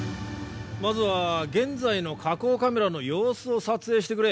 まずは現在の火口カメラの様子を撮影してくれ。